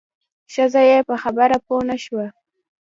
ښځه یې په خبره پوه نه شوه.